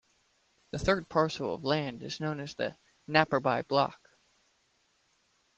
The third parcel of land is known as the Napperby block.